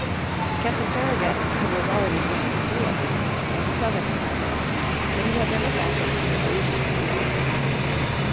Captain Farragut who was already sixty three at this time was a Southerner by birth, but he had never faltered in his allegiance to the Union.